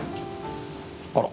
あら。